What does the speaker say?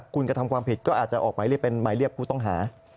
คุณกระทำความผิดก็อาจจะออกหมายเรียกเป็นหมายเรียกผู้ต้องหา